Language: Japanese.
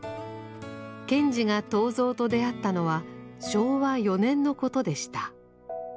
賢治が東蔵と出会ったのは昭和４年のことでした。